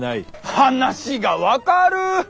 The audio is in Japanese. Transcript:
話が分かるゥッ！